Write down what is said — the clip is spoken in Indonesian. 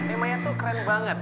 temanya tuh keren banget